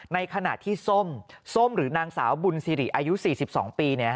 ในขณะที่ส้มส้มหรือนางสาวบุญสิริอายุ๔๒ปี